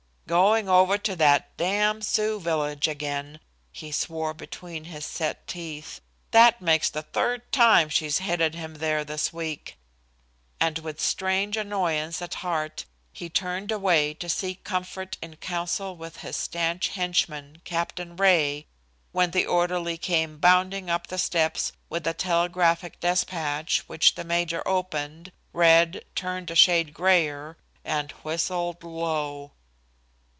"Going over to that damned Sioux village again," he swore between his set teeth. "That makes the third time she's headed him there this week," and with strange annoyance at heart he turned away to seek comfort in council with his stanch henchman, Captain Ray, when the orderly came bounding up the steps with a telegraphic despatch which the major opened, read, turned a shade grayer and whistled low.